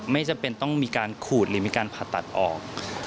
ไม่จำเป็นต้องมีการขูดหรือมีการผ่าตัดออก